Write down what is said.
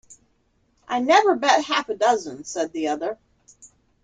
‘I never bet half a dozen!’ said the other.